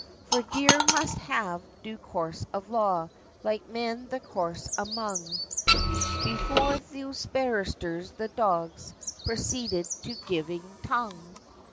For deer must have due course of law, Like men the Courts among; Before those Barristers the dogs Proceed to "giving tongue."